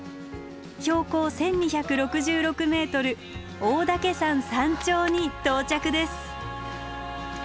標高１，２６６ｍ大岳山山頂に到着です。